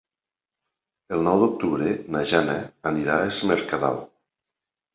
El nou d'octubre na Jana anirà a Es Mercadal.